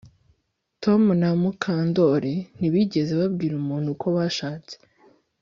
Tom na Mukandoli ntibigeze babwira umuntu ko bashatse